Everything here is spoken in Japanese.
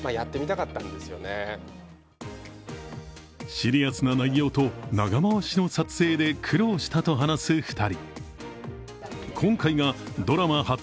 シリアスな内容と長回しの撮影で苦労したと話す２人。